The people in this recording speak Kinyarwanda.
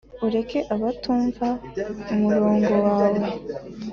ureke abatumva umurongo wawe